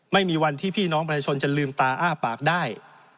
ไม่มีวันที่พี่น้องประชาชนจะลืมตาอ้าปากได้